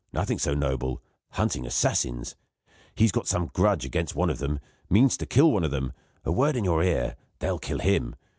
Nothing so noble; hunting assassins. He's got some grudge against one of them. Means to kill one of them. A word in your ear; they'll kill him.